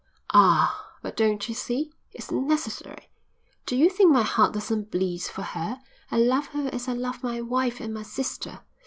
"Ah, but don't you see? It's necessary. Do you think my heart doesn't bleed for her? I love her as I love my wife and my sister.